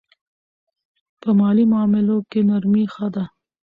په مالي معاملو کې نرمي ښه ده.